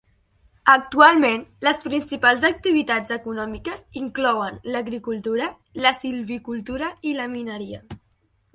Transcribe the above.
Actualment, les principals activitats econòmiques inclouen l'agricultura, la silvicultura i la mineria.